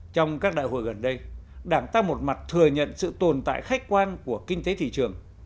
trong các đại hội gần đây đảng ta một mặt thừa nhận sự tồn tại khách quan của kinh tế thị trường